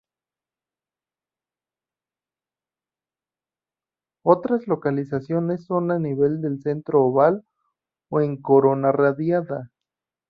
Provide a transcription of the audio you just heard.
Otras localizaciones son a nivel del centro oval o en corona radiada.